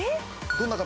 どんな形？